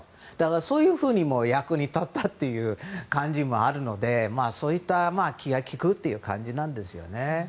そういうふうにも役に立ったという感じもあるのでそういった気が利く感じなんですよね。